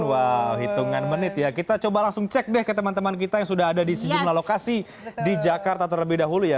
wow hitungan menit ya kita coba langsung cek deh ke teman teman kita yang sudah ada di sejumlah lokasi di jakarta terlebih dahulu ya